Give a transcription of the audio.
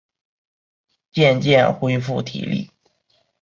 渐渐恢复体力